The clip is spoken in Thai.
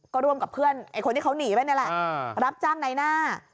ก็ร่วมกับเพื่อนไอ้คนที่เขาหนีไปนี่แหละรับจ้างในหน้า